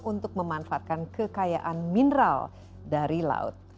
untuk memanfaatkan kekayaan mineral dari laut